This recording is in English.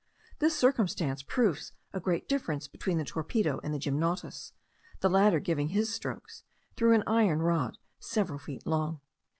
This circumstance proves a great difference between the torpedo and the gymnotus, the latter giving his strokes through an iron rod several feet long.